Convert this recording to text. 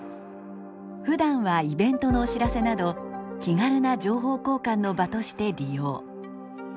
ふだんはイベントのお知らせなど気軽な情報交換の場として利用。